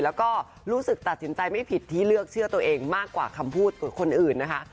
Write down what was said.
แล้วก็รู้สึกตัดสินใจไม่ผิดที่เลือกเชื่อตัวเองมากกว่าคำพูดคนอื่นนะคะ